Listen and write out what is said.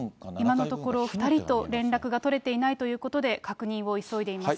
今のところ２人と連絡が取れていないということで、確認を急いでいます。